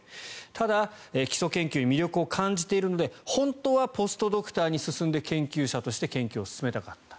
ただ、基礎研究に魅力を感じているので本当はポストドクターに進んで研究者として研究を進めたかった。